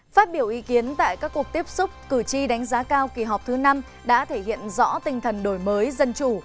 phát biểu ý kiến tại các cuộc tiếp xúc cử tri đánh giá cao kỳ họp thứ năm đã thể hiện rõ tinh thần đổi mới dân chủ